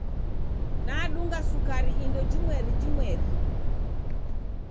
Nadunga sukari indo jimweri jimweri.